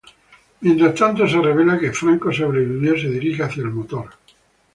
Mientras tanto, se revela que Franco sobrevivió y se dirige hacia el motor.